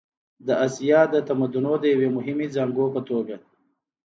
د اسیا د تمدنونو د یوې مهمې زانګو په توګه.